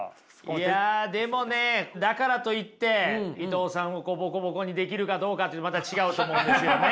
いやでもねだからといって伊藤さんをボコボコにできるかどうかってまた違うと思うんですよね。